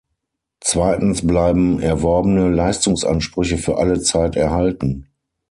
Zweitens bleiben erworbene Leistungsansprüche für alle Zeit erhalten.